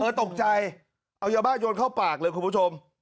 ตกใจเอายาบ้าโยนเข้าปากเลยคุณผู้ชม